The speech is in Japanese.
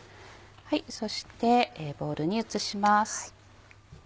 そしてボウルに移します。